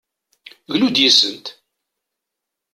Glu-d yis-sent!